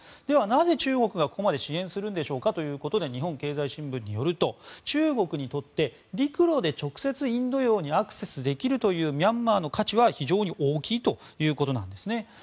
ではなぜ、中国がここまで支援するんでしょうかということで日本経済新聞によると中国にとって陸路で直接、インド洋にアクセスできるというミャンマーの価値は非常に大きいということなんですね。